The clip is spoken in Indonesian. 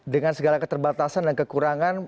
dengan segala keterbatasan dan kekurangan